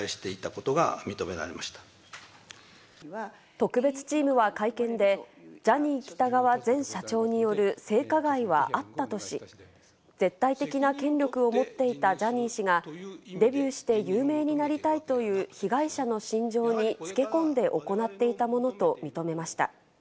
特別チームは会見で、ジャニー喜多川前社長による性加害はあったとし、絶対的な権力を持っていたジャニー氏がデビューして有名になりたいという被害者の心情につけこんで行っていたものと認めました。